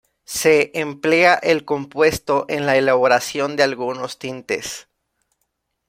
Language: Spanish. Se emplea el compuesto en la elaboración de algunos tintes.